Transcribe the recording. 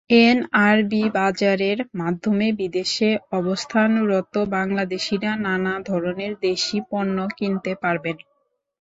NRB বাজারের মাধ্যমে বিদেশে অবস্থানরত বাংলাদেশিরা নানা ধরনের দেশি পণ্য কিনতে পারবেন।